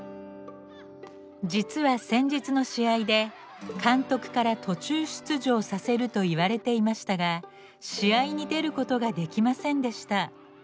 実は先日の試合で監督から「途中出場させる」と言われていましたが試合に出ることができませんでした。